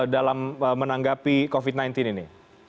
dalam menanggapi covid sembilan belas ini